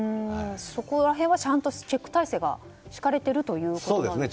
そこら辺はチェック体制が敷かれているということですね。